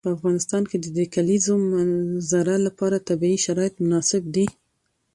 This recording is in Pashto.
په افغانستان کې د د کلیزو منظره لپاره طبیعي شرایط مناسب دي.